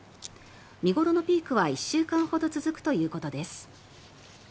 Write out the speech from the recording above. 見頃のピークは１週間ほど続くということです。